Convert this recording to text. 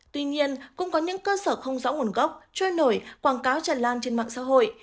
tuy nhiên cũng có những cơ sở không rõ nguồn gốc trôi nổi quảng cáo tràn lan trên mạng xã hội